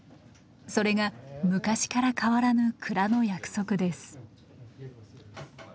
それが昔から変わらぬ蔵の約束です。